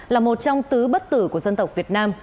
là một trong tứ bất tử của dân tộc việt nam